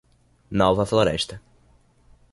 Nova Floresta